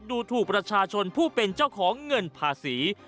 ดูถูปผู้เป็นเจ้าของเงินภาษี